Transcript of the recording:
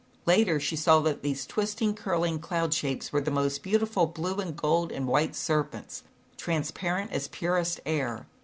Later, she saw that these twisting curling cloud shapes were the most [eautiful blue and gold and white ser :nts, transparent as purest air.